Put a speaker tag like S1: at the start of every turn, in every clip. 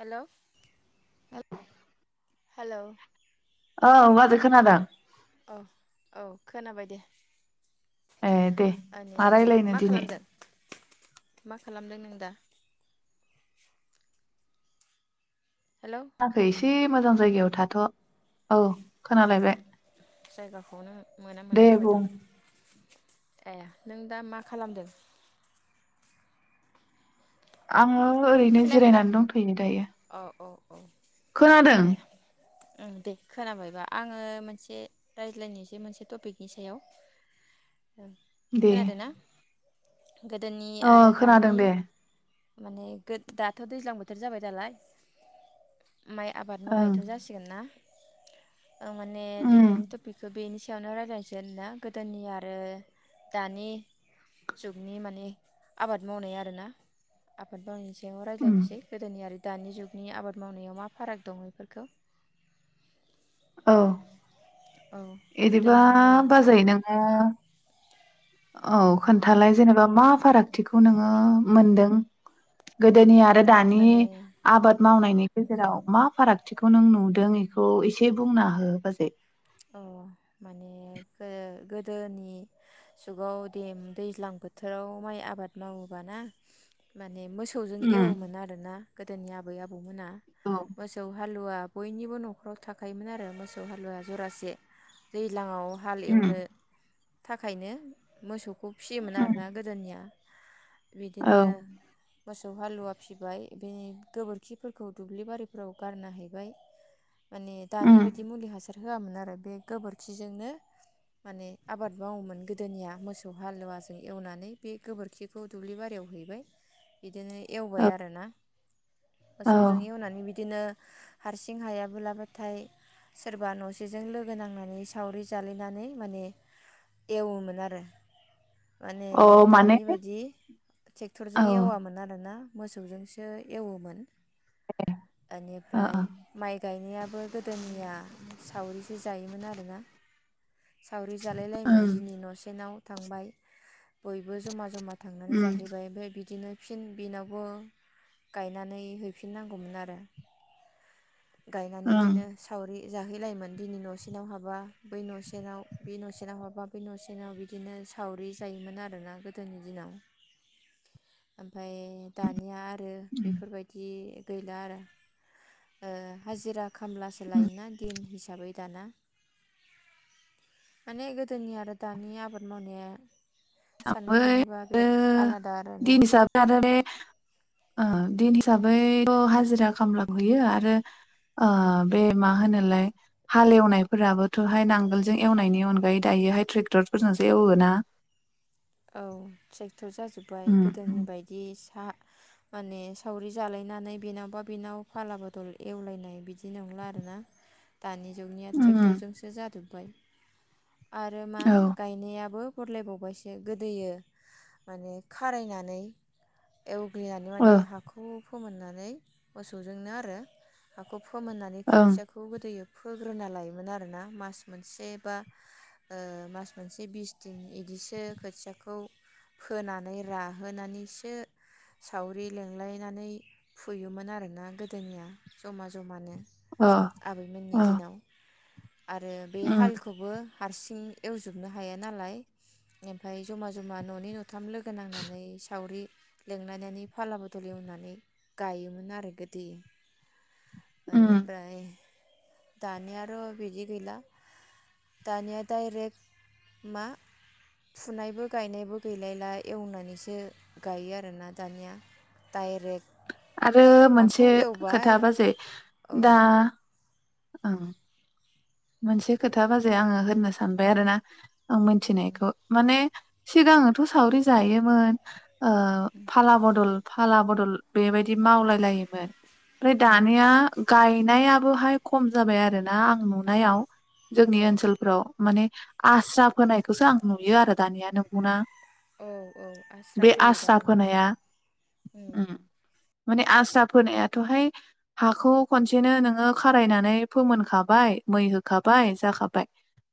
S1: Hello hello
S2: औ माबे खोनादों
S1: औ औ खोनाबाय दे
S2: ए दे
S1: माने
S2: मा
S1: मा
S2: रायलायनो दिनै
S1: खालामदों मा खालामदों नों दा हेलौ
S2: [unintelligible] एसे मोजां जायगायाव थाथ' औ खोनालायबाय
S1: जायगाखौनो मोना
S2: दे
S1: मोना जाबाय
S2: बुं
S1: दं ए नों दा मा खालामदों
S2: आङो ओरैनो
S1: खोनायाखै दा
S2: जिरायनानै दंथ'नो दायो
S1: औ औ औ
S2: खोनादों
S1: ए ओं दे खोनाबायबा आङो मोनसे रायज्लायनोसै मोनसे टपिकनि सायाव
S2: दे
S1: खोनादों ना गोदोनि
S2: अ
S1: आरो
S2: खोनादों
S1: दानि
S2: दे
S1: माने दाथ' दैज्लां बोथोर जाबाय नालाय माइ आबाद
S2: ओं
S1: मावनायथ' जासिगोन ना माने
S2: उम
S1: दिनैनि टपिकखौ बेनि सायावनो रायज्लायनोसै ना गोदोनि आरो दानि जुगनि माने आबाद मावनाय आरोना आबाद मावनायनि सायाव बेयावनो
S2: उम
S1: रायलायनोसै गोदोनि आरो दानि जुगनि आबाद मावनायाव मा फाराग दं बेफोरखौ
S2: औ
S1: औ
S2: बिदिबा
S1: गोदोनि
S2: बाजै नोङो औ खोन्थालाय जेनेबा मा फारागथिखौ नोङो मोनदों गोदोनि आरो आरो दानि
S1: माने
S2: आबाद मावनायनि गेजेराव मा फारागथिखौ नों नुदों इखौ एसे बुंना हो बाजै
S1: अ माने ओ गोदोनि जुगाव दे दैज्लां बोथोराव माइ आबाद मावोबाना मा ने मोसौजों
S2: उम
S1: एवोमोन आरोना गोदोनि आबै आबौ मोना
S2: औ
S1: मोसौ हालुवा बयनिबो न'खराव थाखायोमोन आरो मोसौ हालुवाया जरासे दैज्लाङाव हाल
S2: उम
S1: एवनो थाखायनो मोसौखौ फिसियोमोन
S2: उम
S1: आरोना गोदोनिया
S2: औ
S1: बिदिनो मोसौ हालुवा फिबाय बे गोबोरखिफोरखौ दुब्लि बारिफोराव गारना हैबाय माने दानि
S2: उम
S1: बायदि मुलि हासा र होआमोन आरो बे गोबोरखिजोंनो माने आबाद मावोमोन गोदोनिया मोसौ हालुवाजों एवनानै बे गोबोरखिखौ दुब्लि बारियाव हैबाय बिदिनो एवबाय
S2: औ
S1: आरोना
S2: औ
S1: मोसौजों एवनानै बिदिनो हारसिं हायाबो लाबाथाय सोरबा न'सेजों लोगो नांनानै सावरि जालायनानै माने एवोमोन आरो माने
S2: औ माने
S1: दानि बादि
S2: औ ओ
S1: टेक्टरजों एवामोन आरोना मोसौजोंसो एवोमोन
S2: ओ
S1: एनिफ्राय माइ गायनायाबो गोदोनिया सावरिसो जायोमोन आरोना सावरि जालायलायोन
S2: ओं
S1: दिनै न'सेनाव थांबाय बयबो जमा जमा थांनानै
S2: उम
S1: जाहैबाय ओमफाय बिदिनो फिन बिनावबो गायनानै हैफिननांगौमोन आरो [unintelligible] गायनानै
S2: ओं
S1: इदिनो सावरि जाहैलायोमोन दिनै न'सेनाव हाबा बै न'सेनाव बे न'सेनाव हाबा बे न'सेनाव बिदिनो सावरि जायोमोन आरोना गोदोनि दिनाव ओमफाय दानिया आ रो
S2: उम
S1: बेफोरबायदि गैला आरो ओ हाजिरा खामला सो लायोना दिन हि साबै दाना माने गोदोनि आरो दानि आबाद मावनाया साननो
S2: थांबाय
S1: थाङोबा बिराद आलादा
S2: [inaudible]
S1: आरोना
S2: दिन हिसाबै थ हाजिरा खामला बुयो आरो ओ बे मा होनोलाय हाल एवनायफोराबोथ'हाय नांगोलजों एवनायनि अनगायै दायोहाय ट्रेक्टरफोरजोंसो एवोना
S1: औ [unintelligible] जाजोब्बाय
S2: उम
S1: गोदोनि
S2: उम
S1: बायदि सा माने सावरि जालायनानै बेनावबा बेनाव फाला बदल एवलायनाय बिदि नंला आरोना दानि जुनिया
S2: उम
S1: ट्रेक्टरजोंसो जादों ओम आरो मा
S2: औ
S1: गायनायाबो सरलाय बावबायसो गोदोयो माने खारायनानै एवग्लिनानै
S2: ओ
S1: माने हाखौ फोमोननानै मोसौजोंनो आरो हाखौ फोमोननानै
S2: ओं
S1: खोथियाखौ गोदोयो फोग्रोना लायोमोन आरोना मास मोनसे बा ओ मास मोनसे बिस दिन बिदिसो खोथियाखौ फोनानै राहोनानैसो सावरि लेंलायनानै फुयोमोन आरोना गोदोनिया जमा जमानो।
S2: अ
S1: आबैमोननि
S2: अ
S1: दिनाव। आरो बे
S2: उम
S1: हालखौबो हारसिं एवजोबनो हाया नालाय ओमफ्राय जमा ज'मा ननै न' थाम ओंखाम लोगो नांनानै सावरि लिंलायनानै फाला बदल एवनानै गायोमोन आरो गोदो
S2: उम
S1: आरो ओमफ्राय दानिया आरो' बिदि गैला दानिया डाइरेक्ट मा फुनायबो गायनायबो गैलायला एवनानैसो गायो आरोना दानिया डाइरेक्ट
S2: आरो
S1: हाखौ
S2: मोनसे
S1: एवबाय
S2: खोथा बाजै
S1: औ
S2: दा ओं मोनसे खोथा बाजै आङो होननो सानबाय आरोना आं मोनथिनायखौ माने सिगाङावथ' सावरि जायोमोन। ओ फाला बदल फाला बदल बेबायदि मावलाय लायोमोन। ओमफ्राय दानिया गायनायाबो हाय खम जाबाय आरो ना आं नु नायाव जोंनि
S1: औ
S2: ओनसोलफ्राव माने आस्रा फोनायखौसो आं नुयो आरो दानिया नोंगौना?
S1: औ औ आस्रा फैयो दानिया
S2: फोनाया
S1: ओम
S2: उम माने आस्रा फोनायाथ'हाय हाखौ खनसेनो नोङो खारायनानै फोमोनखाबाय। मै होखाबाय जाखाबाय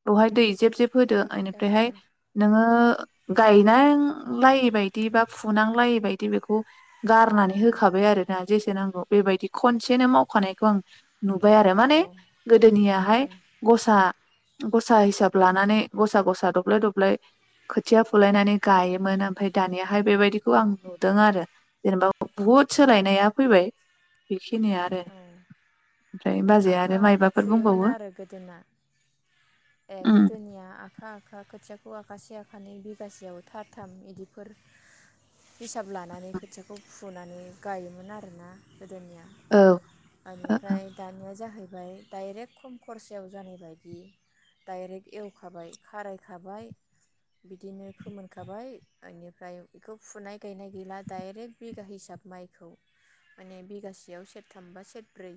S2: बेवहाय दै जेब जेब होदो एनिफ्रायहाय
S1: जाखाबाय
S2: नोङो ओ गायनां लायै बायदि बा फुनांलायै बायदि बेखौ गारनानै होखाबाय आरोना। जेसे नांगौ बेबायदि खनसेनो मावखानायखौ आं नुबाय आरो
S1: औ
S2: माने गोदोनिया ओमफाय
S1: औ
S2: गसा गसा हिसाब लानानै गसा गसा दब्लाय दब्लाय खोथिया फुलायनानै
S1: उम
S2: गायोमोन ओमफ्राय दानियाहाय बेबायदिखौ आं
S1: उम
S2: नुदों आरो। जेनेबा बुहुद सोलायनाया फैबाय बेखिनिया आरो
S1: औ
S2: ओमफ्राय
S1: माने
S2: बाजै
S1: आखा
S2: आरो
S1: आखा
S2: माइबाफोर
S1: फुयोमोन
S2: बुंबावो
S1: आरो गोदोना ए
S2: उम
S1: गोदोनिया आखा आखा खोथिया खौ आखासे आखानै बिगासेयाव थार थाम इदिफोर हिसाब लानानै खोथियाखौ फुनानै गायोमोन आरोना गोदोनिया
S2: औ ओ
S1: बेनिफ्राय दानिया जाहै बाय डाइरेक्ट खम खरसायाव जानाय बादि डाइरेक्ट एवखाबाय खारायखाबाय बिदिनो फोमोनखाबाय बेनिफ्राय बेखौ फुनाय गायनाय गैला डाइरेक्ट बिगा हिसाब माइखौ माने बिगासेयाव सेर थाम बा सेरब्रै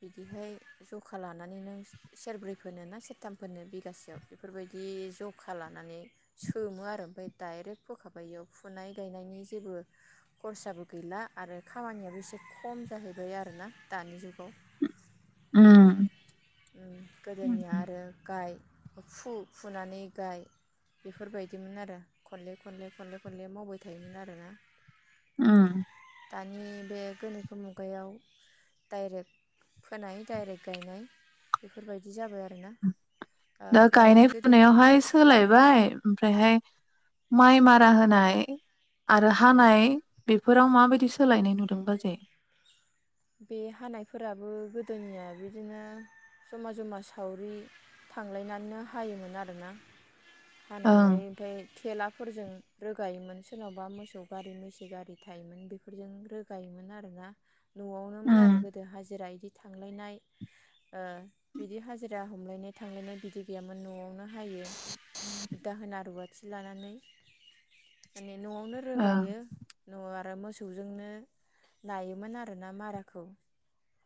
S1: बिदिहाय जखा लानानै नों सेरब्रैफोरनो ना सेरथामफोरनो बिगासेयाव बेफोरबायदि जखा लानानै सोमो आरो ओमफ्राय डाइरेक्ट फोखाबाय बेयाव फुनाय गायनायनि जेबो खरसाबो गैला आरो खामानियाबो एसे खम जाहै बाय आरोना दानि जुगाव
S2: ओम
S1: उ गोदोनिया आरो गाय फु- फुनानै गाय बेफोरबायदिमोन आरो खनले खनले खनले खनले मावबाय थायोमोन आरोना
S2: ओम
S1: दानि बे गोनोखो मुगायाव डाइरेक्ट फोनाय डाइरेक्ट गायनाय बेफोरबायदि जाबाय आरोना
S2: ओ
S1: ओमफ्राय
S2: गायनाय
S1: गोदोनि
S2: फुनायावहाय सोलायबाय ओमफ्रायहाय माइ मारा होनाय आरो
S1: औ
S2: हानाय बे फोराव माबायदि सोलायनाय नुदों बाजै
S1: बे हानायफोराबो गोदोनिया बिदिनो जमा जमा सावरि थांलायनानैनो हायोमोन आरोना
S2: ओं
S1: हानानै ओमफ्राय थेला फोरजों रोगायोमोन सोरनावबा मोसौ गारि मैसो गारि थायोमोन बेफोरजों रोगायोमोन आरोना न'आवनोमोन
S2: उम
S1: आरो गोदो हाजिरा इदि थांलायनाय ओ बिदि हाजिरा हमलायनाय थांलायनाय बिदि गैयामोन न'आवनो हायो दाहोना रुवा थि लानानै मा ने न'आवनो
S2: ओं
S1: रोगायो न' आ रो मोसौजोंनो नायोमोन आ रोना माराखौ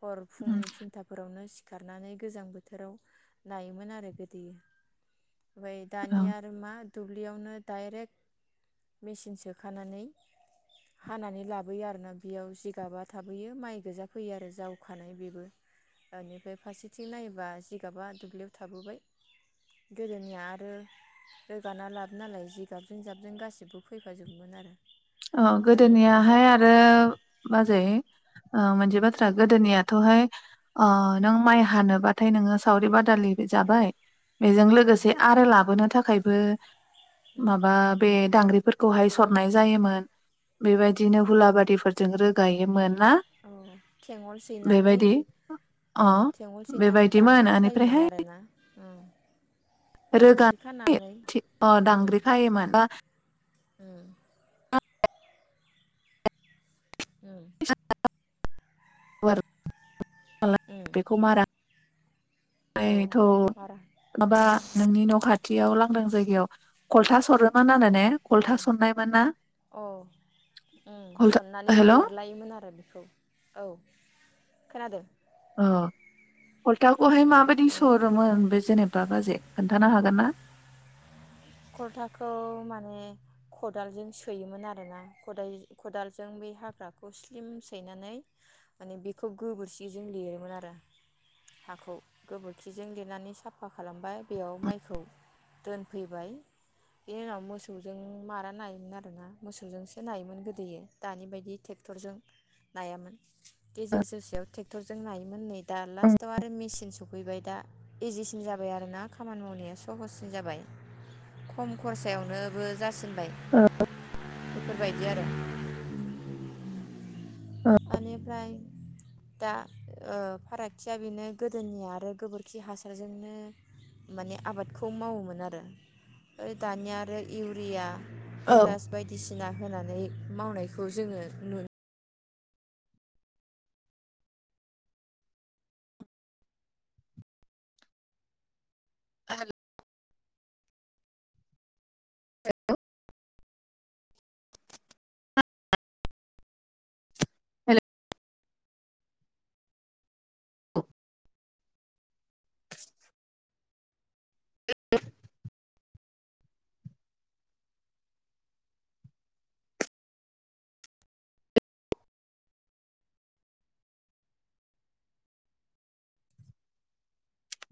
S1: हर
S2: उम
S1: फुंनि थिनथाफोरावनो सि खारनानै गोजां बोथोराव नायोमोन आरो गोदोयो ओमफाय
S2: ओं
S1: दानिया आरो मा दुब्लियावनो दाइरेक मेचिन सोखानानै हानानै लाबोयो आरोना बेयाव जिगाबा थाबोयो माइ गोजा फैयो आरो जावखानाय बेबो बेनिफ्राय फारसेथिं नायोबा जिगाबा दुब्लियाव थाबोबाय गोदोनिया आरो रोगाना लाब नालाय जिगाबजों जाबजों गासिबो फैफाजोबमोन आरो
S2: अ
S1: बेनिफ्राय
S2: गोदोनियाहाय
S1: दा
S2: आरो बाजै ओ
S1: उम
S2: मोनसे बाथ्रा गोदोनिया थ'हाय ओ नों माइ हानोबाथाय नोङो सावरि-बादालि जाबाय बेजों
S1: उम
S2: लोगोसे आरो लाबोनो था खायबो
S1: उम
S2: माबा बे दांग्रि फोरखौहाय सरनाय जायोमोन। [inaudible] बेबायदिनो हुलाबारिफोर जों रोगायोमोन। ना
S1: औ थेंगल सैनानै
S2: बेबायदि अ
S1: औ थेंगल सैनानै
S2: बेबायदिमोन
S1: दांग्रि खायोमोन आरोना उम। दांग्रि
S2: रोगानाय
S1: खानानै
S2: थि अ
S1: उम
S2: दांग्रि खायोमोन
S1: उम। उम।
S2: [unintelligible]
S1: उम
S2: [inaudible] बेखौ मारा
S1: औ
S2: [inaudible] थ'
S1: मारा
S2: माबा नोंनि न' खाथियाव लांदां जायगायाव कलथा सरोमोन [unintelligible]
S1: औ
S2: खलथा सरनायमोन ना
S1: औ उम
S2: खलथा
S1: सननानै
S2: हेल'
S1: लिरलायोमोन आरो बेखौ औ खोनादों।
S2: अ हलथाखौहाय
S1: उम
S2: माबायदि
S1: माने
S2: सरोमोन बे जेनेबा बा खोन्थानो हागोन ना?
S1: खलथाखौ माने खदालजों सोयोमोन आरोना खदाय खदालजों बै हाग्राखौ स्लिम सैनानै माने बेखौ गोबोरखिजों लिरोमोन आरो हाखौ गोबोरखिजों लिरनानै साफा खालामबाय बेयाव माइखौ दोनफैबाय। इनि उनाव मोसौजों मारा नायोमोन आरोना मोसौजोंसो नायोमोन गोदोयो दानि बायदि टेक्टरजों नायामोन गेजेर जोसेयाव टेक्टरजों नायोमोन नै दा लास्टाव आरो मेसिन सफैबाय दा इजिसिन जाबाय आरोना खामानि मावनाया सहससिन जाबाय खम खरसायावनोबो जासि नबाय बेफोरबायदि आरो ओनिफ्राय दा ओ फारागथिया बेनो गोदोनि आरो गोबोरखि हासारजोंनो माने आबादखौ मावोमोन आरो ओ दानिया आरो इउरिया
S2: औ
S1: पटास बायदिसिना होनानै मावनायखौ जोङो नु
S2: [unintelligible] [unintelligible]